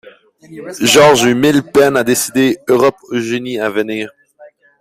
Georges eut mille peines à décider Europe-Eugénie à venir.